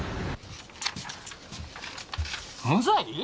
無罪？